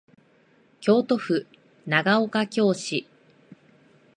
京都府長岡京市